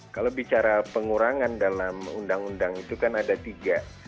kalau bicara pengurangan dalam undang undang itu kan ada tiga